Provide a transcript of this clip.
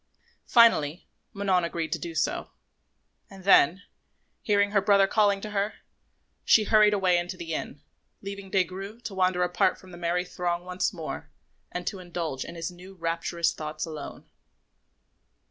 Finally, Manon agreed to do so; and then, hearing her brother calling to her, she hurried away into the inn, leaving Des Grieux to wander apart from the merry throng once more and to indulge in his new rapturous thoughts alone.